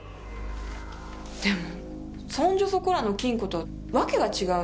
でもそんじょそこらの金庫とはわけが違うの。